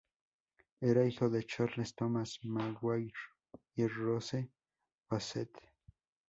Era hijo de Charles Thomas Maguire y Rose Bassett.